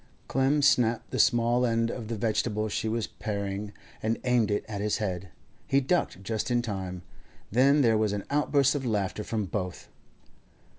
Clem snapped the small end off the vegetable she was paring, and aimed it at his head. He ducked just in time. Then there was an outburst of laughter from both.